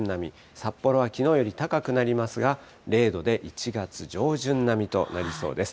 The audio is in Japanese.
札幌はきのうより高くなりますが、０度で１月上旬並みとなりそうです。